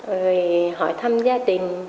rồi hỏi thăm gia đình